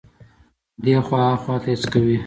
دې خوا ها خوا ته يې څکوي.